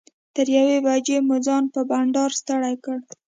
تر یوې بجې مو ځان په بنډار ستړی کړ.